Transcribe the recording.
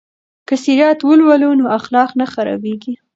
که سیرت ولولو نو اخلاق نه خرابیږي.